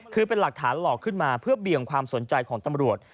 คือเป็นหลักฐานหลอกขึ้นมาเพื่อเบี่ยงความสนใจของตำรวจ